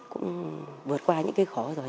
cũng vượt qua những cái khó rồi